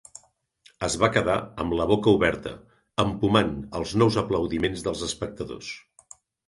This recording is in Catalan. Es va quedar amb la boca oberta, empomant els nous aplaudiments dels espectadors.